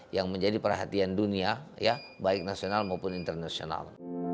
yang menjadi perhatian dunia baik nasional maupun internasional